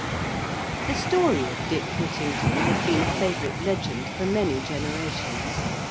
The story of Dick Whittington has been a favourite legend for many generations.